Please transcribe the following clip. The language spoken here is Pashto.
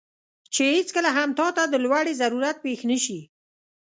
چې هیڅکله هم تاته د لوړې ضرورت پېښ نه شي،